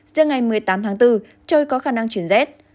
giữa ngày một mươi tám tháng bốn trời có khả năng chuyển rét